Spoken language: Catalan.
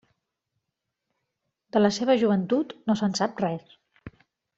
De la seva joventut no se'n sap res.